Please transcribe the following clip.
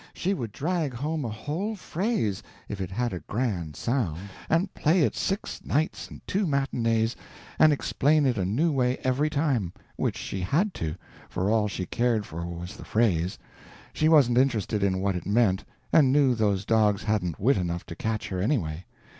She would drag home a whole phrase, if it had a grand sound, and play it six nights and two matinees, and explain it a new way every time which she had to, for all she cared for was the phrase; she wasn't interested in what it meant, and knew those dogs hadn't wit enough to catch her, anyway.